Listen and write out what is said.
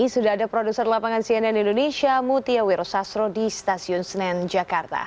sudah ada produser lapangan cnn indonesia mutia wiro sastro di stasiun senen jakarta